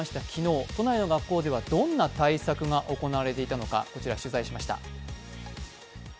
昨日都内の学校ではどんな対策が行われていたのか取材しました。